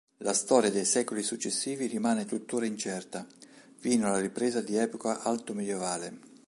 La storia dei secoli successivi rimane tuttora incerta, fino alla ripresa di epoca altomedievale.